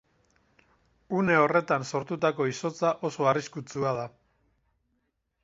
Une horretan sortutako izotza oso arriskutsua da.